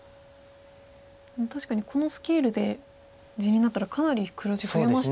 でも確かにこのスケールで地になったらかなり黒地増えましたね。